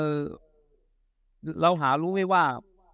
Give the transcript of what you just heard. คือเราหารู้ไหมว่า